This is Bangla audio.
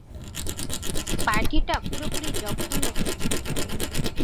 পার্টিটা পুরোপুরি জঘন্য হয়েছে।